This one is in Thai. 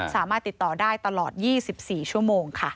สามารถติดต่อได้ตลอด๒๔ชั่วโมงค่ะ